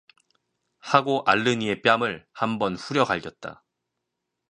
하고 앓는 이의 뺨을 한 번 후려갈겼다.